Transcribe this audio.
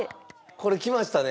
これきましたね！